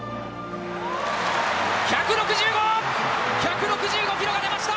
１６５！１６５キロが出ました。